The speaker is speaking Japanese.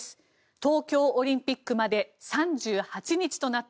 東京オリンピックまで３８日となった